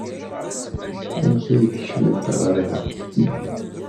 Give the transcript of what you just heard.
Amek ay d-tkecmemt ɣer da?